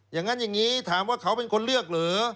อย่างนั้นอย่างนี้ถามว่าเขาเป็นคนเลือกหรือ